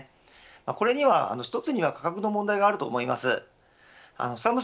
これには、一つには価格の問題があると思います。